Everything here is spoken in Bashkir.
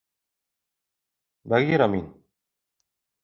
Багира мин!